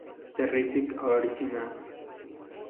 Terrific original.